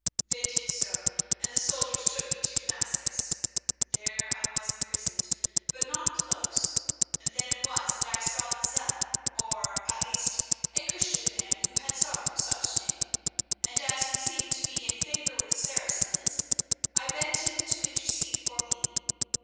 They did so, and the soldiers took me to Damascus. There I was imprisoned, but not close, and then it was that I saw Lozelle, or, at least, a Christian man who had some such name, and, as he seemed to be in favour with the Saracens, I begged him to intercede for me.